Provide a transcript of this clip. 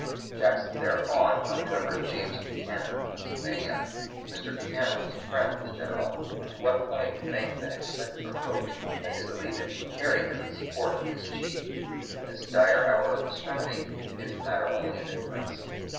Jackson thereupon uncovered James Buchanan, of Pennsylvania. Mr. Buchanan was a friend of the General, and to what point it may have been expected or hoped that his allegiance would carry him in support of his chief in this dire hour of extremity is matter only of inference.